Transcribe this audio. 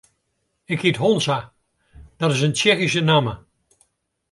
Ik hyt Honza, dat is in Tsjechyske namme.